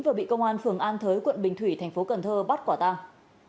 vừa bị công an phường an thới quận bình thủy tp cn bắt quả tang